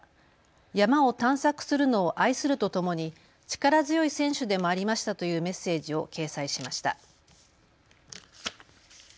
山を探索するのを愛するとともに力強い選手でもありましたというメッセージを掲載しました。